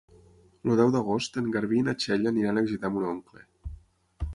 El deu d'agost en Garbí i na Txell aniran a visitar mon oncle.